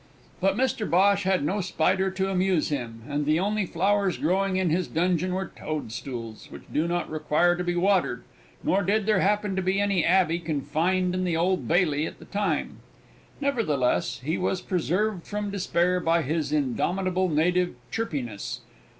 But Mr Bhosh had no spider to amuse him, and the only flowers growing in his dungeon were toadstools, which do not require to be watered, nor did there happen to be any abbey confined in the Old Bailey at the time. Nevertheless, he was preserved from despair by his indomitable native chirpiness.